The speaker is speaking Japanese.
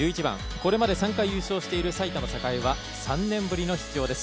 これまで３回優勝している埼玉栄は３年ぶりの出場です。